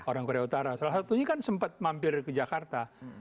orang korea utara salah satunya kan sempat mampir ke jakarta